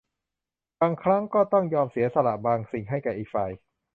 บางครั้งก็ต้องยอมเสียสละบางสิ่งให้แก่อีกฝ่าย